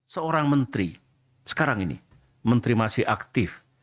seorang menteri sekarang ini menteri masih aktif